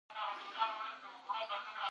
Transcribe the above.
مس د افغانستان د اقتصادي ودې لپاره ارزښت لري.